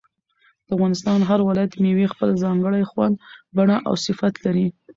د افغانستان د هر ولایت مېوې خپل ځانګړی خوند، بڼه او صفت لري.